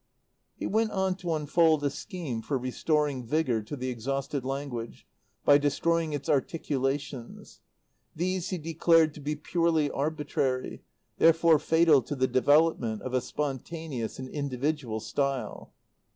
He went on to unfold a scheme for restoring vigour to the exhausted language by destroying its articulations. These he declared to be purely arbitrary, therefore fatal to the development of a spontaneous and individual style.